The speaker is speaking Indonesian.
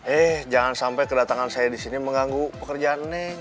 eh jangan sampai kedatangan saya disini mengganggu pekerjaan neng